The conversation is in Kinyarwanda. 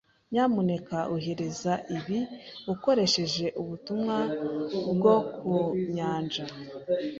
Nyamuneka ohereza ibi ukoresheje ubutumwa bwo mu nyanja.